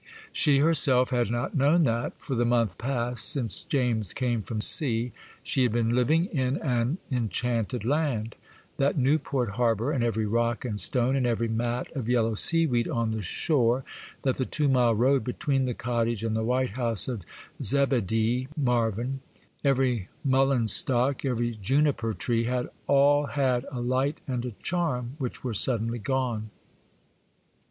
She herself had not known that, for the month past, since James came from sea, she had been living in an enchanted land; that Newport harbour, and every rock and stone, and every mat of yellow seaweed on the shore, that the two mile road between the cottage and the white house of Zebedee Marvyn, every mullein stalk, every juniper tree, had all had a light and a charm which were suddenly gone.